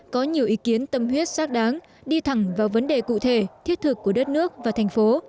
có nhiều ý kiến tâm huyết xác đáng đi thẳng vào vấn đề cụ thể thiết thực của đất nước và thành phố